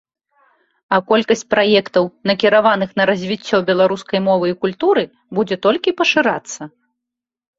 А колькасць праектаў, накіраваных на развіццё беларускай мовы і культуры, будзе толькі пашырацца.